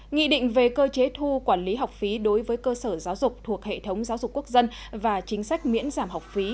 nghị định về cơ chế thu quản lý học phí đối với cơ sở giáo dục thuộc hệ thống giáo dục quốc dân và chính sách miễn giảm học phí